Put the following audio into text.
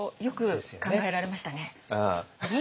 よく考えられましたね。